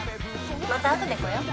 またあとで来よう。